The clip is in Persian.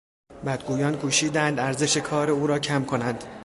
بدگویان کوشیدند ارزش کار او را کم کنند.